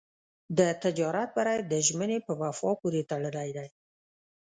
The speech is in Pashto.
د تجارت بری د ژمنې په وفا پورې تړلی دی.